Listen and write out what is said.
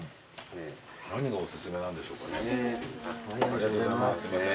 ありがとうございます。